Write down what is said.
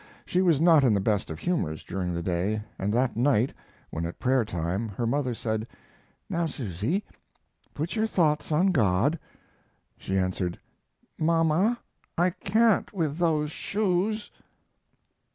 She was not in the best of humors during the day, and that night, when at prayer time her mother said, "Now, Susy, put your thoughts on God," she answered, "Mama, I can't with those shoes."